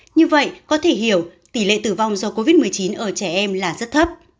như vậy có thể hiểu tỷ lệ tử vong do covid một mươi chín ở trẻ em là rất thấp